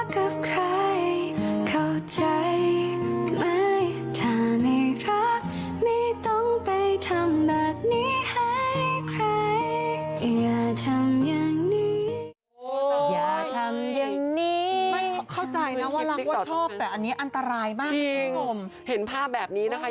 เข้าใจนะว่ารักว่าชอบแต่อันนี้อันตรายมากคุณผู้ชมเห็นภาพแบบนี้นะคะ